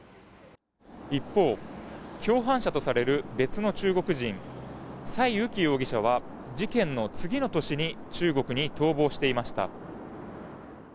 一方、共犯者とされる別の中国人、サイ・ウキ容疑者は事件の次の年に中国に逃亡していました。